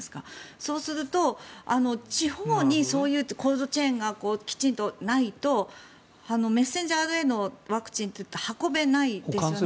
そうすると、地方にそういうコールドチェーンがきちんとないとメッセンジャーＲＮＡのワクチン運べないですよね。